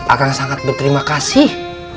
akang sangat berterima kasih